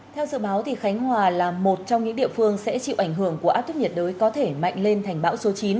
theo dự báo khánh hòa là một trong những địa phương sẽ chịu ảnh hưởng của áp thấp nhiệt đới có thể mạnh lên thành bão số chín